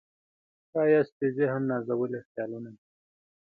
ښایست د ذهن نازولي خیالونه دي